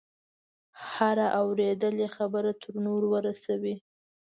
هره اورېدلې خبره تر نورو ورسوي.